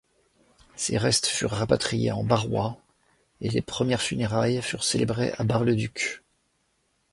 Ses restes furent rapatriés en Barrois et des premières funérailles furent célébrées à Bar-le-Duc.